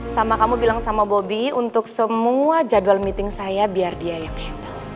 sama kamu bilang sama bobi untuk semua jadwal meeting saya biar dia yang handle